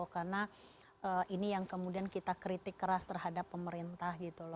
karena ini yang kemudian kita kritik keras terhadap pemerintah